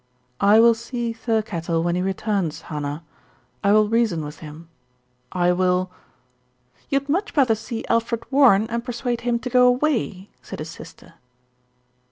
"I will see Thirkettle when he returns, Hannah. I will reason with him. I will " "You had much better see Alfred Warren and per suade him to go away," said his sister.